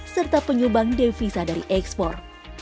serta penyumbang devisa dari ekspor